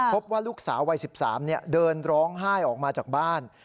พบว่าลูกสาววัย๑๓เดินร้องไห้ออกมาจากบ้าน